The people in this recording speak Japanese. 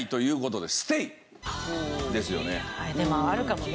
でもあるかもね。